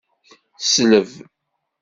Sleb.